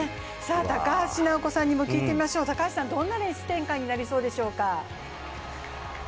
高橋尚子さんにも聞いてみましょう、どんなれーす展開になりそうでしょうか？